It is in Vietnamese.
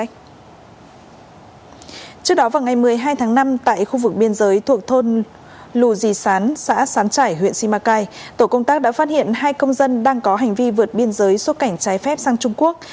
trước đó vào ngày một mươi hai tháng năm tại khu vực biên giới thuộc thôn lù dì sán xã sán trải huyện simacai tổ công tác đã phát hiện hai công dân đang có hành vi vượt biên giới xuất cảnh trái phép sang trung quốc